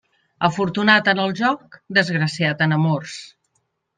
Afortunat en el joc, desgraciat en amors.